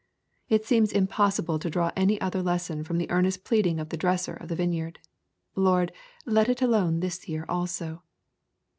It seems impossible to draw any other lesson from the earnest pleading of the dresser of the vineyard : "Lord, let it alone this year also."